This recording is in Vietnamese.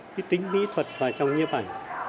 cái tính mỹ thuật vào trong nhiếp ảnh